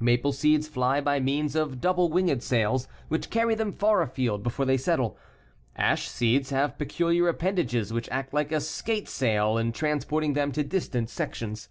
Maple seeds fly by means of double winged sails which carry them far afield before they settle. Ash seeds have peculiar appendages which act like a skate sail in transporting them to distant sections.